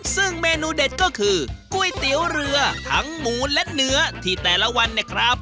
ซึ่งเมนูเด็ดก็คือก๋วยเตี๋ยวเรือทั้งหมูและเนื้อที่แต่ละวันเนี่ยครับ